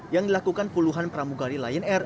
yang dilakukan puluhan pramugari lion air